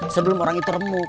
sebelum orang itu remuk